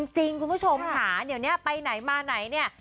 จริงคุณผู้ชมสาเดี๋ยวเนี่ยไปไหนมาไหนเนี่ย